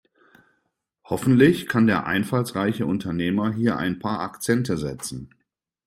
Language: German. Hoffentlich kann der einfallsreiche Unternehmer hier ein paar Akzente setzen.